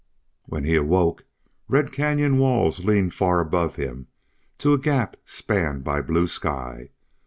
When he awoke red canyon walls leaned far above him to a gap spanned by blue sky.